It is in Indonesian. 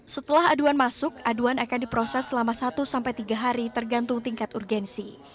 setelah aduan masuk aduan akan diproses selama satu sampai tiga hari tergantung tingkat urgensi